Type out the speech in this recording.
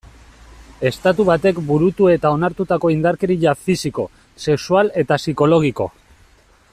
Estatu batek burutu eta onartutako indarkeria fisiko, sexual eta psikologiko.